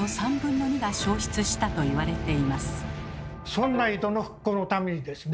そんな江戸の復興のためにですね